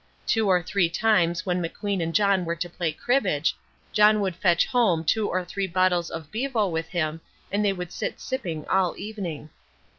Two or three times when McQueen and John were to play cribbage, John would fetch home two or three bottles of bevo with him and they would sit sipping all evening.